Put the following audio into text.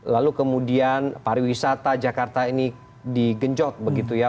lalu kemudian pariwisata jakarta ini digenjot begitu ya